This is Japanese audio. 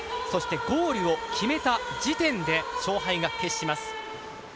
そして、ゴールを決めた時点で勝敗が決します。